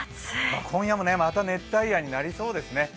今夜もまた熱帯夜になりそうなんですね。